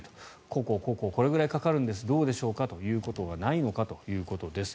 こうこうこうこうこれくらいかかるんですどうでしょうかということがないのかということです。